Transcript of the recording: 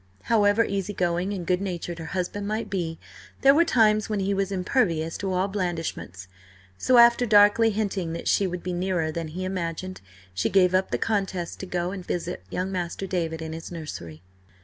However easy going and good natured her husband might be, there were times when he was impervious to all blandishments. So after darkly hinting that she would be nearer than he imagined, she gave up the contest to go and visit young Master David in his nursery.